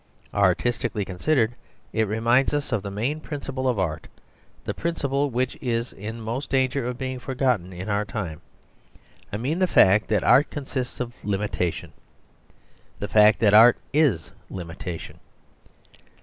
Artistically considered, it reminds us of the main principle of art, the principle which is in most danger of being forgotten in our time. I mean the fact that art consists of limitation; the fact that art is limitation.